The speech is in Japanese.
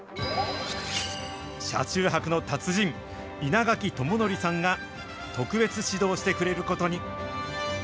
車中泊の達人、稲垣朝則さんが、特別指導してくれることに。